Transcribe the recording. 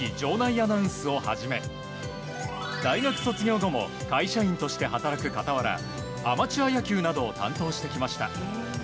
アナウンスを始め大学卒業後も会社員として働く傍らアマチュア野球などを担当してきました。